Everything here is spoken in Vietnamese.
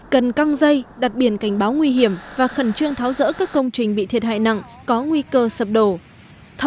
cần căng dây đặt biển cảnh báo nguy hiểm và khẩn trương tháo rỡ các công trình bị thiệt hại nặng có nguy cơ sập đổ